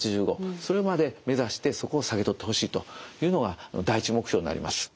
それまで目指してそこを下げとってほしいというのが第一目標になります。